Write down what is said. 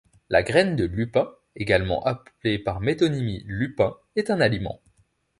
La graine de lupin, également appelée par métonymie lupin, est un aliment.